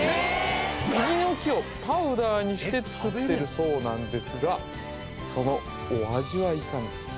杉の木をパウダーにして作ってるそうなんですがそのお味はいかに？